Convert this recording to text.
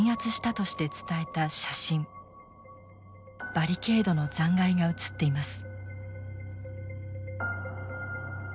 バリケードの残骸が写っています。